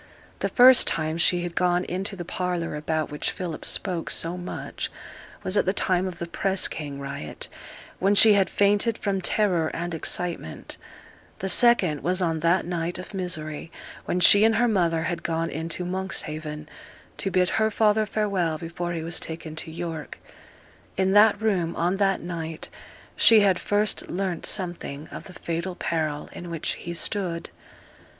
The first time she had gone into the parlour about which Philip spoke so much was at the time of the press gang riot, when she had fainted from terror and excitement; the second was on that night of misery when she and her mother had gone in to Monkshaven, to bid her father farewell before he was taken to York; in that room, on that night, she had first learnt something of the fatal peril in which he stood.